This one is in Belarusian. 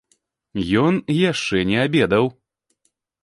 Ён яшчэ не абедаў.